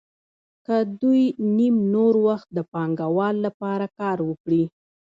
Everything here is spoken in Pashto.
که دوی نیم نور وخت د پانګوال لپاره کار وکړي